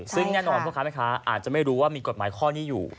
ซึ่งแน่นอนพ่อค้าแม่ค้าอาจจะไม่รู้ว่ามีกฎหมายข้อนี้อยู่